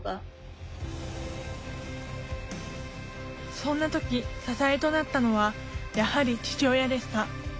そんな時支えとなったのはやはり父親でした。